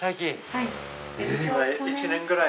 はい。